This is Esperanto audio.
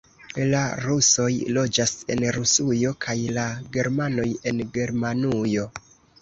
La rusoj loĝas en Rusujo kaj la germanoj en Germanujo.